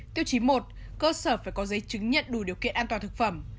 tiêu chí một cơ sở phải có giấy chứng nhận đủ điều kiện an toàn thực phẩm